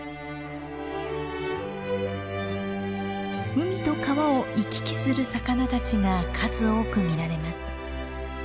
海と川を行き来する魚たちが数多く見られます。